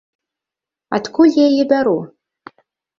Адкуль я яе бяру?